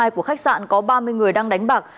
của khách sạn có ba mươi người đang đánh bạc